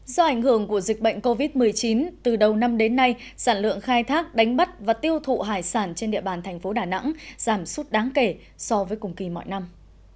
do ảnh hưởng của dịch bệnh covid một mươi chín từ đầu năm đến nay sản lượng khai thác đánh bắt và tiêu thụ hải sản trên địa bàn thành phố đà nẵng giảm sút đáng kể so với cùng kỳ mọi năm